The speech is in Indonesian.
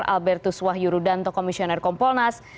pak bertus wahyuru dan tokomisioner kompolnas